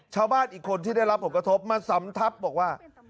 ชาวบ้านอีกคนที่ได้รับผลกระทบมาสำทับบอกว่า